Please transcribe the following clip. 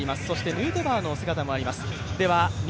村上、ヌートバーの姿もあります。